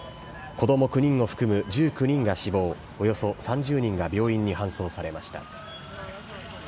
子ども９人を含む１９人が死亡、およそ３０人が病院に搬送されました。